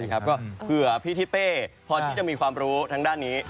ก็เผื่อพี่ทิเป้พอที่จะมีความรู้ทางด้านนี้